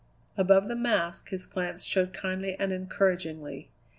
Above the mask his glance showed kindly and encouragingly.